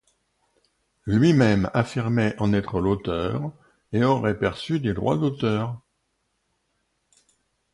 Lui-même affirmait en être l'auteur et aurait perçu des droits d'auteur.